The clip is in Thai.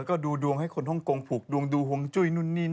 ก็ดวงให้คนฮ่องโกงผลูกดวงดูหงจุ้ยนั่นเล่น